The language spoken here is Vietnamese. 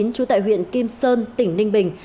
chú tại huyện kim sơn tỉnh ninh bình